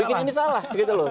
begini ini salah gitu loh